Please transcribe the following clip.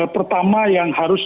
pertama yang harus